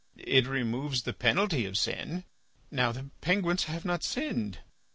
It removes the penalty of sin; now the penguins have not sinned.